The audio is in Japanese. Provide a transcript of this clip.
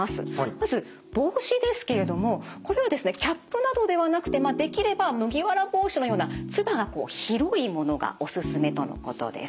まず帽子ですけれどもこれはですねキャップなどではなくてできれば麦わら帽子のようなつばがこう広いものがおすすめとのことです。